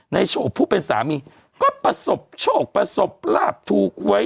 โชคผู้เป็นสามีก็ประสบโชคประสบลาบถูกไว้